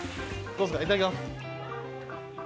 いただきます。